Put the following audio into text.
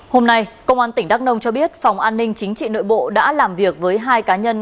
hôm nay công an tỉnh đắk nông cho biết phòng an ninh chính trị nội bộ đã làm việc với hai cá nhân